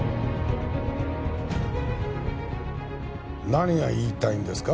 何が言いたいんですか？